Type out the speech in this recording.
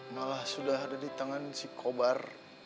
malah sudah ada di tangan si kobar